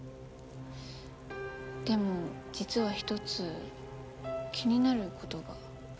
でも実は一つ気になる事が。